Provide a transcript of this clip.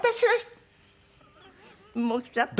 もう来ちゃったの？